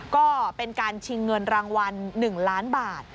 ก็เป็นการชิงเงินรางวัล๑ล้านบาท